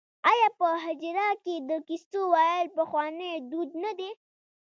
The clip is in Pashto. آیا په حجره کې د کیسو ویل پخوانی دود نه دی؟